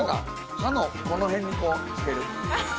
歯のこの辺に着ける。